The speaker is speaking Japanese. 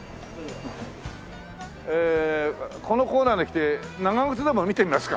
このコーナーで来て長靴でも見てみますか。